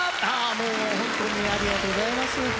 あもう本当にありがとうございます。